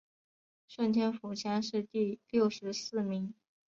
顺天府乡试第六十四名。